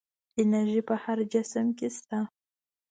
انرژي په هر جسم کې شته.